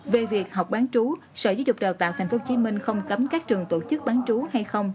về việc học bán trú sở giáo dục đào tạo tp hcm không cấm các trường tổ chức bán chú hay không